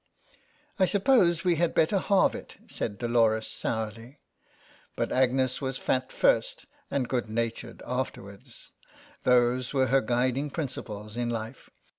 " I suppose we had better halve it," said Dolores sourly. But Agnes was fat first and good natured afterwards ; those were her guiding principles in life.